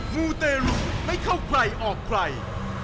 มูเตรุไม่เข้าใครออกใคร